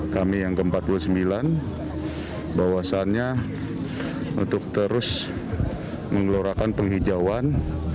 kami yang ke empat puluh sembilan bahwasannya untuk terus menggelorakan penghijauan